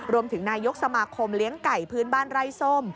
รวมถึงนายกสมาคมเลี้ยงไก่พื้นบ้านไร่ส้ม